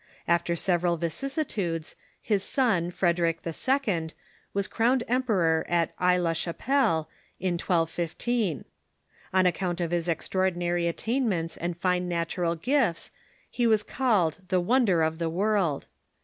After several vicissitudes, his son, Frederic II., was crowned emperor at Aix la Chapelle, in 1215. On account of his extraordinary attainments and fine natural gifts, he was called the " Wonder of the World."